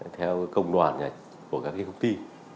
theo công đoàn của các công ty